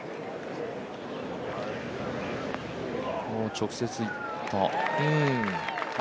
直接行った。